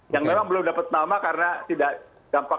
yang memang belum dapat nama karena tidak dampak